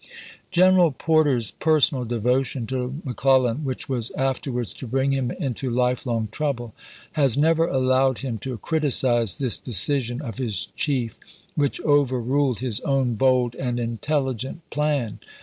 General Porter's personal devotion to McClellan, which was afterwards to bring him into lifelong trouble, has never allowed him to criticize this de cision of his chief which overruled his own bold and intelligent plan.